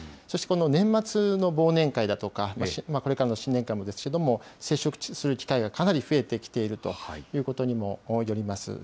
そしてこの年末の忘年会だとか、これからの新年会もですけれども、接触する機会がかなり増えてきているということにもよります。